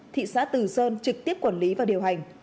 thị xã từ sơn trực tiếp quản lý và điều hành